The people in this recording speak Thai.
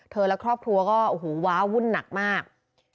และครอบครัวก็โอ้โหว้าวุ่นหนักมาก